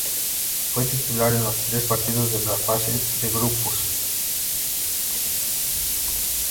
Fue titular en los tres partidos de la fase de grupos.